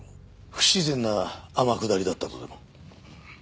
不自然な天下りだったとでも？